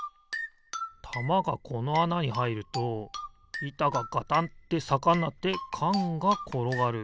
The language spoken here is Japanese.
たまがこのあなにはいるといたがガタンってさかになってかんがころがる。